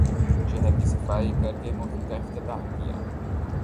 شہر کی صفائی کر کے مہم کا افتتاح کیا